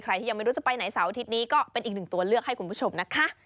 ใครที่ยังไม่รู้จะไปไหนเสาร์อาทิตย์นี้ก็เป็นอีกหนึ่งตัวเลือกให้คุณผู้ชมนะคะ